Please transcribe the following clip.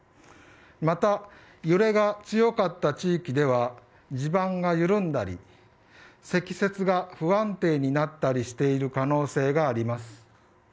また揺れが強かった地域では地盤が緩んだり積雪が不安定になったりしている可能性があります。